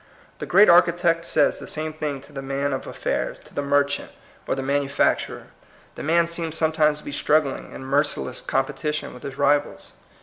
The great Architect says the same thing to the man of affairs, to the merchant, or THE HAPPY LIFE. 205 the manufacturer. The man seems some times to be struggling in merciless compe tition with his rivals.